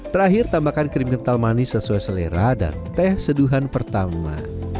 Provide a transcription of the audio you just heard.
terakhir tambahkan krim kental manis sesuai selera dan teh seduhan pertama